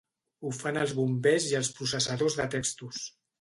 Ho fan els bombers i els processadors de textos.